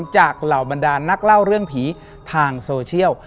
เหล่าบรรดานนักเล่าเรื่องผีทางโซเชียล